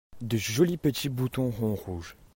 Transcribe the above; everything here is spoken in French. De jolis petits boutons ronds rouges.